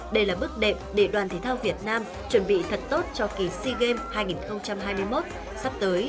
đây là bước đệm để đoàn thể thao việt nam chuẩn bị thật tốt cho kỳ sea games hai nghìn hai mươi một sắp tới